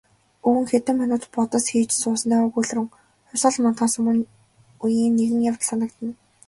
Өвгөн хэдэн минут бодос хийж сууснаа өгүүлрүүн "Хувьсгал мандахаас өмнө үеийн нэгэн явдал санагдана".